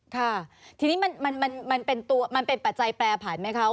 ค่ะทีนี้มันเป็นตัวมันเป็นปัจจัยแปรผันไหมคะ